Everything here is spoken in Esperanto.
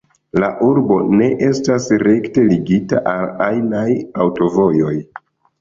La urbo ne estas rekte ligita al ajnaj aŭtovojoj.